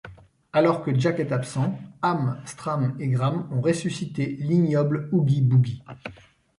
Alors que Jack est absent, Am, Stram et Gram ont ressuscité l'ignoble Oogie Boogie.